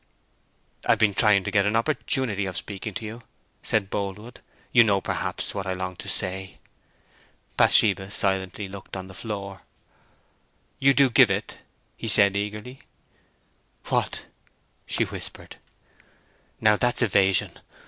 "I've been trying to get an opportunity of speaking to you," said Boldwood. "You know perhaps what I long to say?" Bathsheba silently looked on the floor. "You do give it?" he said, eagerly. "What?" she whispered. "Now, that's evasion!